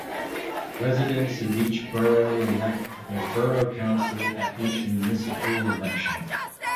Residents of each borough elect their Borough Council at each municipal election.